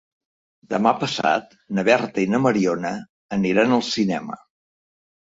Demà passat na Berta i na Mariona aniran al cinema.